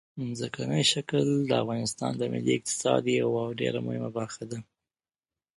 ځمکنی شکل د افغانستان د ملي اقتصاد یوه ډېره مهمه برخه ده.